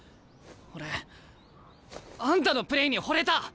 俺あんたのプレーにほれた！